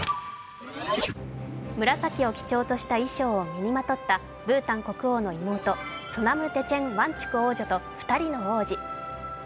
紫を基調とした衣装を身にまとったブータン国王の妹、ソナム・デチェン・ワンチュク王女と２人の王子。